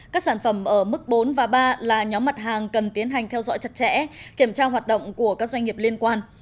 các sản phẩm ở mức bốn và ba là nhóm mặt hàng cần tiến hành theo dõi chặt chẽ kiểm tra hoạt động của các doanh nghiệp liên quan